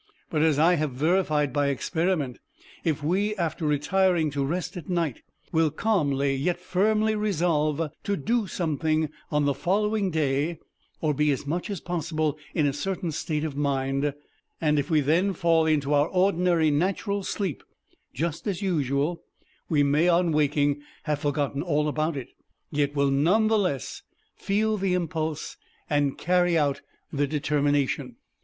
But as I have verified by experiment, if we, after retiring to rest at night, will calmly yet firmly resolve to do something on the following day, or be as much as possible in a certain state of mind, and if we then fall into ordinary natural sleep, just as usual, we may on waking have forgotten all about it, yet will none the less feel the impulse and carry out the determination.